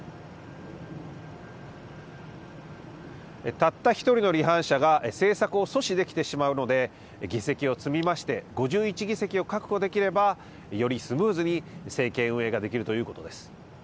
たった１人の離反者が政策を阻止できてしまうので議席を積み増して５１議席を確保できればよりスムーズに政権運営ができるということです。